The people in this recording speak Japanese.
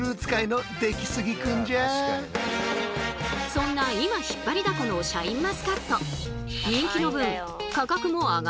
そんな今引っ張りだこのシャインマスカット。